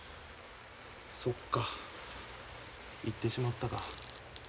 そっか行ってしまったか。